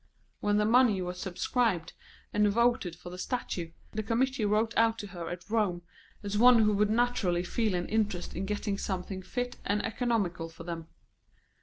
When the money was subscribed and voted for the statue, the committee wrote out to her at Rome as one who would naturally feel an interest in getting something fit and economical for them.